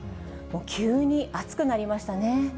急に暑くなりましたね。